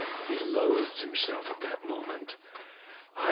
He loathed himself at that moment.